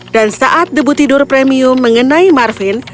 dan saat debu tidur premium mengenai marvin